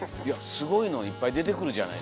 すごいのいっぱい出てくるじゃない。